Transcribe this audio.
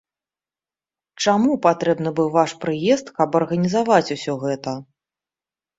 Чаму патрэбны быў ваш прыезд, каб арганізаваць усё гэта?